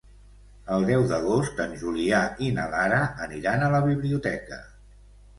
El deu d'agost en Julià i na Lara aniran a la biblioteca.